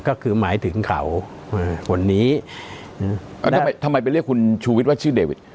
ก็คือหมายถึงเขาคนนี้ทำไมไปเรียกคุณชูวิทย์ว่าชื่อเดวิท